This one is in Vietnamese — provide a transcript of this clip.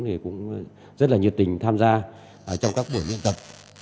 thì cũng rất là nhiệt tình tham gia trong các buổi luyện tập